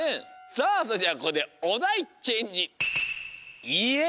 さあそれじゃここでおだいチェンジ！